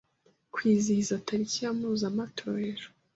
kwizihize teriki ye mpuzemetorero